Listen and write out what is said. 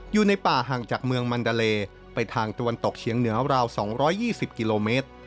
อยู่ในป่าห่างจากเมืองมันดาเลไปทางตะวันตกเฉียงเหนือราว๒๒๐กิโลเมตร